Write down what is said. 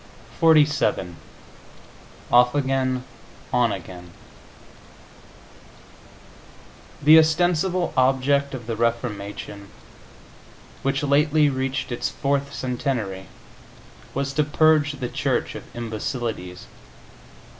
XLVII OFF AGAIN, ON AGAIN The ostensible object of the Reformation, which lately reached its fourth centenary, was to purge the Church of imbecilities.